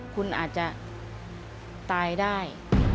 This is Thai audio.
คุณอาจจะตายได้